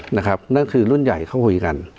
นั่นคือรุ่นใหญ่เขาคุยกัน